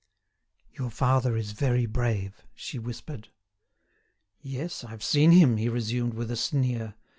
"Your father is very brave," she whispered. "Yes, I've seen him," he resumed with a sneer.